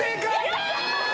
やった！